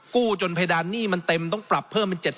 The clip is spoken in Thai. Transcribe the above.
กู้จนเพดานหนี้มันเต็มต้องปรับเพิ่มเป็น๗๐๐